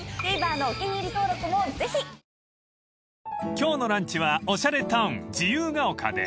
［今日のランチはおしゃれタウン自由が丘で］